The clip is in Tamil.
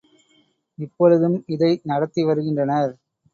இப்பொழுதும் இதை நடத்தி வருகின்றனர்.